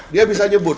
dia bisa nyebut